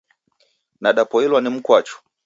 Nadapoilwa ni mkwachu.